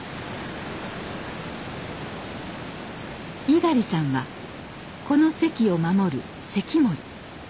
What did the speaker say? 猪狩さんはこの堰を守る堰守。